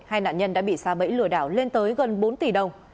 hai nạn nhân đã bị xa bẫy lừa đảo lên tới gần bốn tỷ đồng